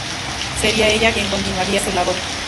Sería ella quien continuaría su labor.